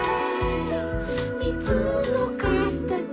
「みずのかたち」